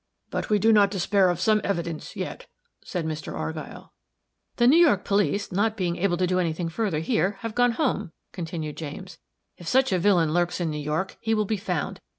"But we do not despair of some evidence, yet," said Mr. Argyll. "The New York police, not being able to do any thing further here, have gone home," continued James. "If such a villain lurks in New York, he will be found.